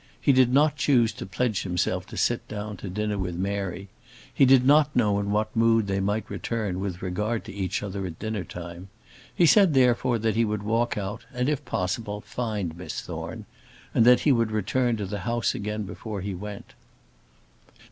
He did not choose to pledge himself to sit down to dinner with Mary. He did not know in what mood they might return with regard to each other at dinner time. He said, therefore, that he would walk out and, if possible, find Miss Thorne; and that he would return to the house again before he went.